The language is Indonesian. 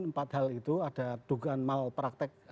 empat hal itu ada dugaan mal praktek